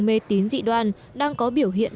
mê tín dị đoan đang có biểu hiện